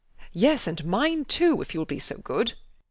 Yes; and mine too, if you will be so good.